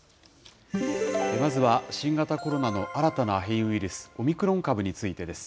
まずは新型コロナの新たな変異ウイルス、オミクロン株についてです。